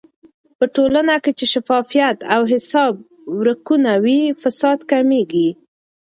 په ټولنه کې چې شفافيت او حساب ورکونه وي، فساد کمېږي.